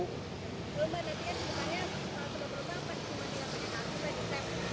kalau menetiknya semuanya sebab sebabnya pasti cuma dikakui